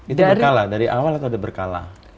itu berkala dari awal atau berkala